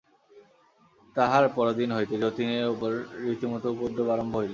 তাহার পরদিন হইতে যতীনের উপরে রীতিমত উপদ্রব আরম্ভ হইল।